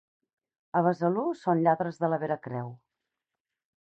A Besalú són lladres de la veracreu.